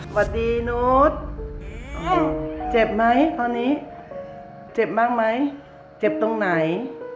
สวัสดีนุษย์เจ็บไหมตอนนี้เจ็บมากไหมเจ็บตรงไหน